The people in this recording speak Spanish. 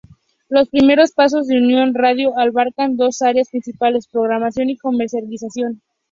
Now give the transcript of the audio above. Los primeros pasos de Unión Radio abarcaban dos áreas principales: programación y comercialización.